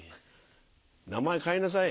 名前変えなさい。